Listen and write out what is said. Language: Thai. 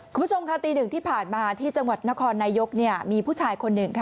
คุณผู้ชมค่ะตีหนึ่งที่ผ่านมาที่จังหวัดนครนายกมีผู้ชายคนหนึ่งค่ะ